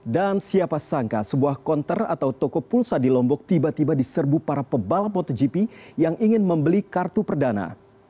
dan siapa sangka sebuah konter atau toko pulsa di lombok tiba tiba diserbu para pebalap motogp yang ingin membeli kartu perdana